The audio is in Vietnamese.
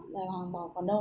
mà hàng bò còn đâu